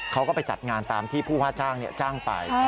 เขาก็ไปจัดงานตามที่ผู้ว่าจ้างจ้างไป